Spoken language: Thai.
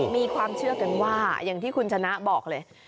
มีความเชื่อกันว่าอย่างที่คุณชนะบอกเลย